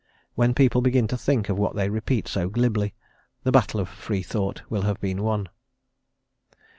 When people begin to think of what they repeat so glibly, the battle of Free Thought will have been won.